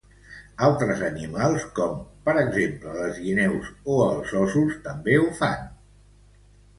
Altres animals com, per exemple les guineus o els óssos també ho fan.